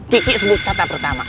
kiki sebut kata pertama